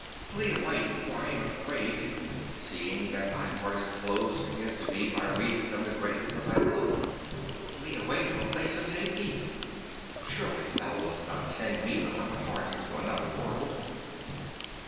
Flee away, for I am afraid, seeing that thy heart is closed against me by reason of the greatness of thy love. Flee away to a place of safety. Surely thou wilt not send me without a heart into another world?